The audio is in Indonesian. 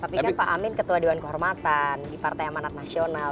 tapi kan pak amin ketua dewan kehormatan di partai amanat nasional